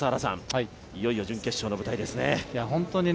いよいよ準決勝の舞台ですね。